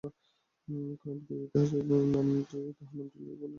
কারণ, পৃথিবীর ইতিহাসে তাহার নামটি লইয়া প্রত্নতাত্ত্বিকদের মধ্যে বিবাদের কোনো আশঙ্কা নাই।